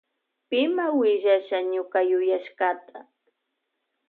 Pima willasha ñuka yuyashkata.